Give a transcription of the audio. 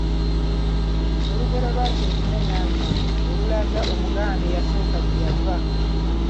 Olugero lwa Kintu ne Nnambi olulaga Omuganda eyasooka gye yava.